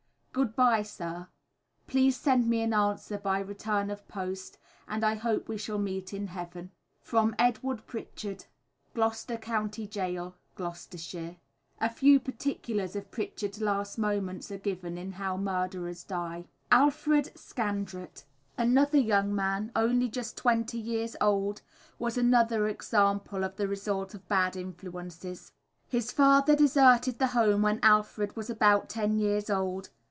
Good bye, Sir. Please send me an answer by return of post, and I hope we shall meet in Heaven. From EDWARD PRITCHARD. Gloucester County Gaol, Gloucestershire. A few particulars of Pritchard's last moments are given in "How Murderers Die," p. 78. [Illustration: Alfred Scandrett.] Alfred Scandrett, another young man only just twenty one years old was another example of the result of bad influences. His father deserted the home when Alfred was about ten years old.